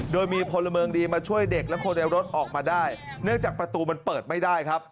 โดยมีพลเมืองดีมาช่วยเด็กและคนในรถออกมาได้เนื่องจากประตูมันเปิดไม่ได้ครับ